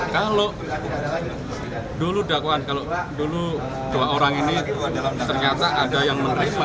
kalau dulu dakwaan kalau dulu dua orang ini ternyata ada yang menerima